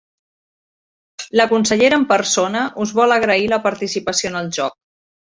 La consellera en persona us vol agrair la participació en el joc.